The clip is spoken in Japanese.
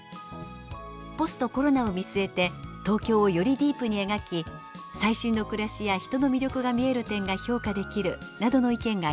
「ポストコロナを見据えて東京をよりディープに描き最新の暮らしや人の魅力が見える点が評価できる」などの意見がありました。